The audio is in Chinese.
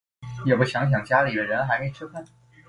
也不想想家里的人还没吃饭